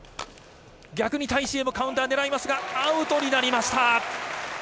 逆にタイ・シエイもカウンターを狙いますが、アウトになりました。